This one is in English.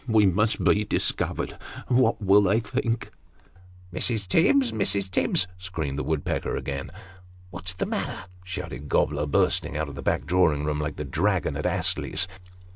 We must be discovered! What will they think ?"" Mrs. Tibbs ! Mrs. Tibbs !" screamed the woodpecker again. " What's the matter ?" shouted Gobler, bursting out of the back drawing room, like the dragon at Astley's.